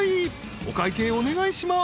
［お会計お願いします］